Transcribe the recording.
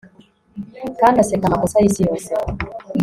kandi aseka amakosa yisi yose